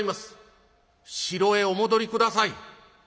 城へお戻り下さい」。